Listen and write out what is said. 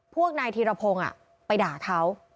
พวกนายทีระพงอ่ะไปด่าเขา